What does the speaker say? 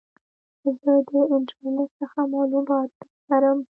زه د انټرنیټ څخه معلومات نه لرم.